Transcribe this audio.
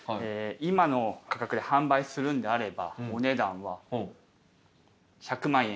今の価格で販売するのであればお値段は１００万円。